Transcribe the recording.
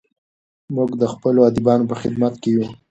موږ د خپلو ادیبانو په خدمت کې یو.